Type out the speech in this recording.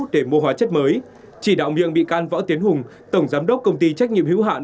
để mua hóa chất mới chỉ đạo miệng bị can võ tiến hùng tổng giám đốc công ty trách nhiệm hữu hạn